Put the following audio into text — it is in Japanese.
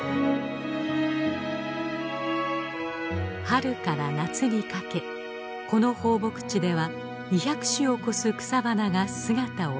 春から夏にかけこの放牧地では２００種を超す草花が姿を見せます。